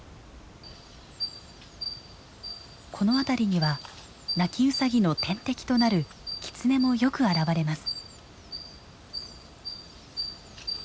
この辺りにはナキウサギの天敵となるキツネもよく現れます。